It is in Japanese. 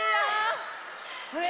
あれ？